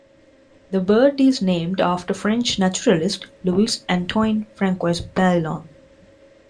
This bird is named after French naturalist Louis Antoine Francois Baillon.